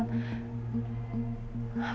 dan dia merencanakan untuk menemukan